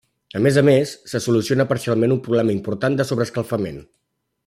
A més a més, se soluciona parcialment un problema important de sobreescalfament.